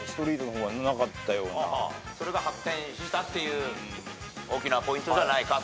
それが発展したっていう大きなポイントでないかと。